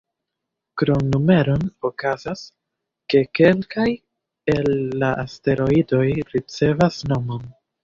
Krom numeron, okazas, ke kelkaj el la asteroidoj ricevas nomon.